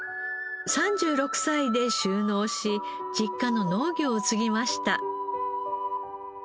３６歳で就農し実家の農業を継ぎました。